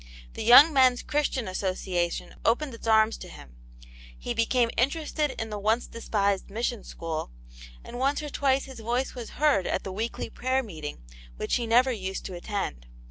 The Young Men's Christian Association opened its arms to him ; he became interested in the once despised Mission School, and once or twice his voice was heard at the weekly prayer meeting, which he never used to attend.